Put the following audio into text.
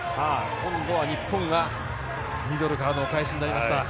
今度は日本がミドルからのお返しになりました。